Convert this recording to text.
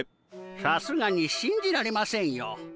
さすがに信じられませんよ。